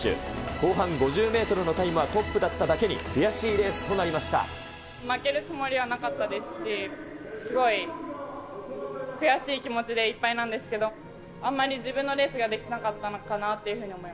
後半５０メートルのタイムはトップだっただけに、悔しいレースと負けるつもりはなかったですし、すごい悔しい気持ちでいっぱいなんですけど、あんまり自分のレースができなかったのかなっていうふうに思い